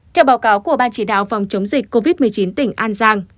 theo báo cáo của ban chỉ đạo phòng chống dịch covid một mươi chín tỉnh an giang